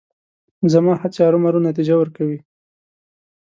زما هڅې ارومرو نتیجه ورکوي.